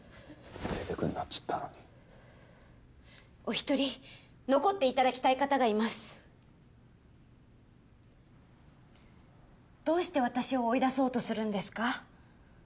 出てくんなっつったのにお一人残っていただきたい方がいますどうして私を追い出そうとするんですか？